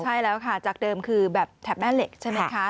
ใช่แล้วค่ะจากเดิมคือแบบแถบแม่เหล็กใช่ไหมคะ